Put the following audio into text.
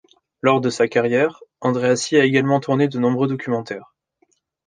Lors de sa carrière, Andreassi a également tourné de nombreux documentaires.